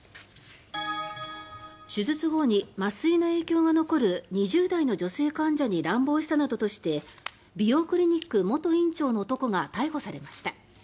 手術後に麻酔の影響が残る２０代の女性患者に乱暴したなどとして美容クリニック元院長の男が逮捕されました。